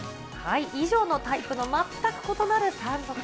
以上のタイプの全く異なる３足。